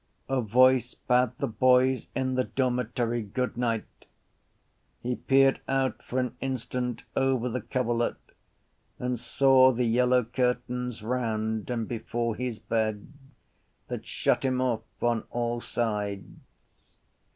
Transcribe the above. A voice bade the boys in the dormitory goodnight. He peered out for an instant over the coverlet and saw the yellow curtains round and before his bed that shut him off on all sides.